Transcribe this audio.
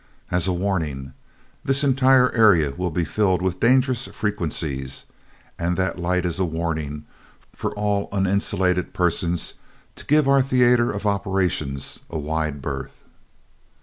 "As a warning. This entire area will be filled with dangerous frequencies, and that light is a warning for all uninsulated persons to give our theater of operations a wide berth."